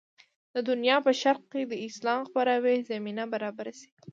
د دنیا په شرق کې د اسلام خپراوي زمینه برابره شي.